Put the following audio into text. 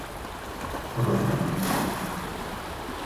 اُراں پراں نس گیا